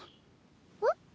えっ？